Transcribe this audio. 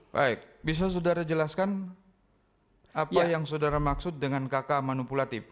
baik bisa saudara jelaskan apa yang saudara maksud dengan kakak manipulatif